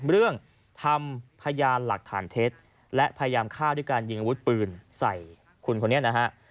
เรื่องทำพยานหลักฐานเท็จและพยายามฆ่าด้วยการยิงอาวุธปืนใส่คุณคนนี้นะฮะ